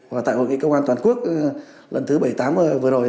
và tại hội nghị công an toàn quốc lần thứ bảy mươi tám vừa rồi